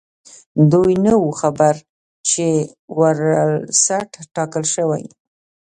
دوی نه وو خبر چې ورلسټ ټاکل شوی.